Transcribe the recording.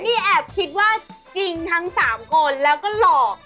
นี่แอบคิดว่าจริงทั้ง๓คนแล้วก็หลอก